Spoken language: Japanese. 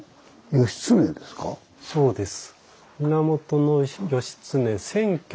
そうです。